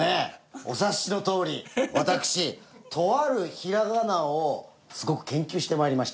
お察しのとおり私とあるひらがなをすごく研究してまいりまして。